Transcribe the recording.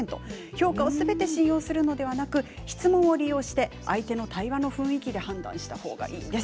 評価をすべて信用するのではなく質問を利用して相手の対話の雰囲気で判断した方がいいです。